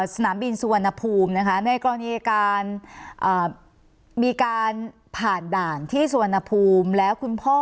สนามบินสุวรรณภูมินะคะในกรณีการมีการผ่านด่านที่สุวรรณภูมิแล้วคุณพ่อ